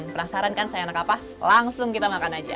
penasaran kan saya anak apa langsung kita makan aja